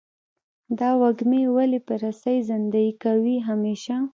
دا وږمې ولې په رسۍ زندۍ کوې همیشه؟